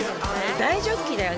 大ジョッキだよね